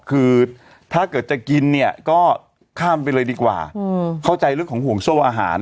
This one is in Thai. คือถ้าเกิดจะกินเนี่ยก็ข้ามไปเลยดีกว่าเข้าใจเรื่องของห่วงโซ่อาหาร